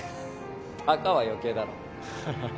バカは余計だろ。ハハハ。